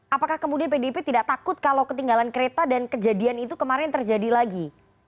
apakah kemudian pdip tidak takut kalau ketinggalan kereta dan kejadian itu kemarin terjadi lagi